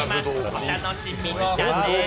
お楽しみにだね。